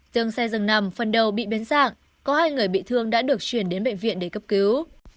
trường xe dừng nằm phần đầu bị bến sạng có hai người bị thương đã được chuyển đến bệnh viện để cấp cứu